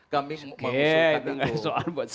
kami mengusungkan oke